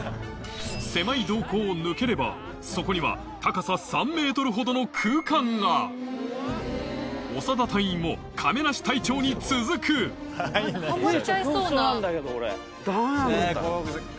狭い洞口を抜ければそこには高さ３ｍほどの空間が長田隊員も亀梨隊長に続くダメなんだ。